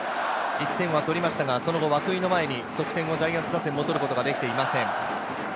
１点は取りましたが、その後、涌井の前に得点を、ジャイアンツ打線も取ることができていません。